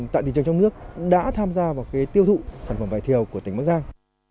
tại thị trường trong nước đã tham gia vào tiêu thụ sản phẩm vải thiều của tỉnh bắc giang